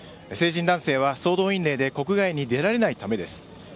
成人男性は総動員令で国外に出られないためです。